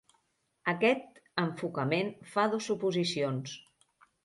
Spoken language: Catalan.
Aquest enfocament fa dos suposicions.